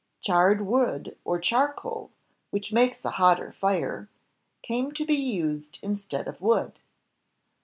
Charred wood, or char coal, which makes a hotter fire, came to be used instead of wood.